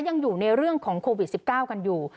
ยังอยู่ในเรื่องของโควิด๑๙กันอยู่